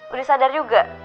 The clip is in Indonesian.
udah sadar juga